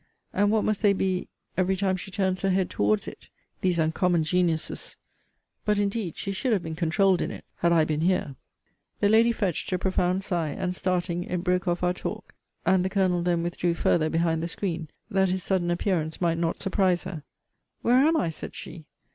And what must they be every time she turns her head towards it? These uncommon genius's but indeed she should have been controuled in it, had I been here. The lady fetched a profound sigh, and, starting, it broke off our talk; and the Colonel then withdrew farther behind the screen, that his sudden appearance might not surprise her. Where am I? said she.